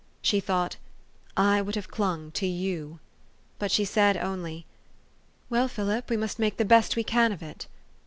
She thought, "I would have clung to you I " But she said only, "Well, Philip, we must make the best we can of it."